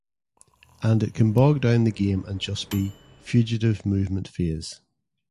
And it can bog down the game and just be "fugitive movement phase".